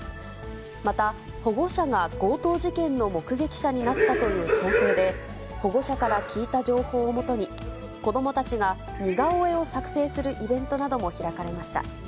また保護者が強盗事件の目撃者になったという想定で、保護者から聞いた情報をもとに、子どもたちが似顔絵を作成するイベントなども開かれました。